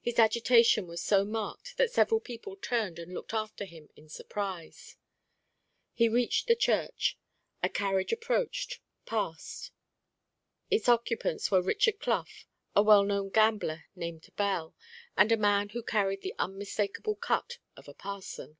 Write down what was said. His agitation was so marked that several people turned and looked after him in surprise. He reached the church. A carriage approached, passed. Its occupants were Richard Clough, a well known gambler named Bell, and a man who carried the unmistakable cut of a parson.